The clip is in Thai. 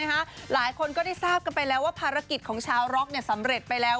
หลายคนก็ได้ทราบกันไปแล้วว่าภารกิจของชาวร็อกสำเร็จไปแล้ว